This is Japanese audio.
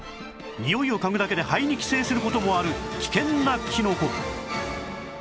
においを嗅ぐだけで肺に寄生する事もある危険なキノコ